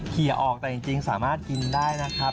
เขียออกแต่จริงสามารถกินได้นะครับ